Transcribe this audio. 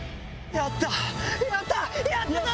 やったぞ！